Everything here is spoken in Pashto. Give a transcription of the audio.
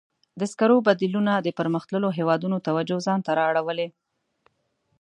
د سکرو بدیلونه د پرمختللو هېوادونو توجه ځان ته را اړولې.